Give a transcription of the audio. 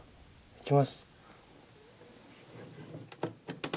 いきます。